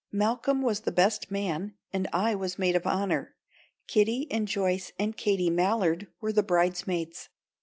Malcolm was best man and I was maid of honour. Kitty and Joyce and Katie Mallard were the bridesmaids.